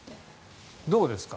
どうですか？